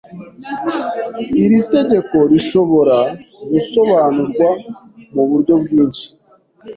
Iri tegeko rishobora gusobanurwa muburyo bwinshi.